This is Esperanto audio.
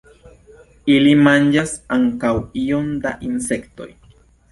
Ili manĝas ankaŭ iom da insektoj.